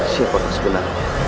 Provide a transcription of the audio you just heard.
siapa yang sepenuhnya